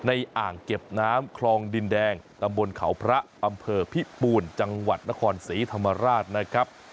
อ่างเก็บน้ำคลองดินแดงตำบลเขาพระอำเภอพิปูนจังหวัดนครศรีธรรมราชนะครับ